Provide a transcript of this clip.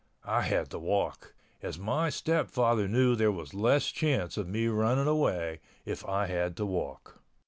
I had to walk, as my stepfather knew there was less chance of me running away if I had to walk.